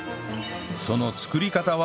その作り方は